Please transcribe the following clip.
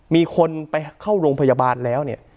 มีคนไปเข้าโรงพยาบาลแล้วเนี่ย